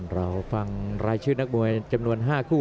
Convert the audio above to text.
เราฟังรายชื่อนักมวยจำนวน๕คู่